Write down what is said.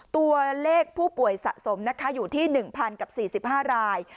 ตัวเลขผู้ป่วยสะสมนะคะอยู่ที่๑๐กับ๔๕ราย